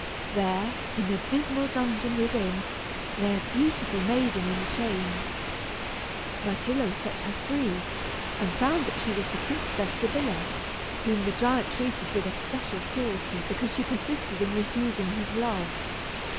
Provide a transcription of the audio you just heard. There, in a dismal dungeon within, lay a beautiful maiden in chains. Myrtillo set her free, and found that she was the Princess Sybilla, whom the giant treated with especial cruelty because she persisted in refusing his love.